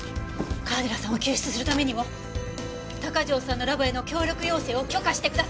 川寺さんを救出するためにも鷹城さんのラボへの協力要請を許可してください！